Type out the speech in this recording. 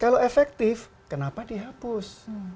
kalau efektif kenapa dihapus